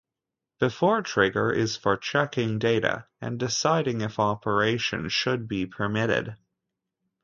Before trigger is for checking data and deciding if operation should be permitted.